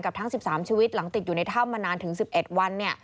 ทั้ง๑๓ชีวิตหลังติดอยู่ในถ้ำมานานถึง๑๑วัน